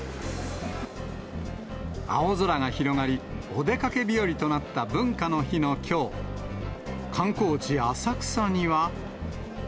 青空が広がり、お出かけ日和となった文化の日のきょう、観光地、浅草には。